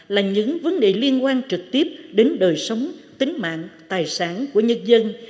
là những vấn đề liên quan trực tiếp đến đời sống tính mạng tài sản của nhân dân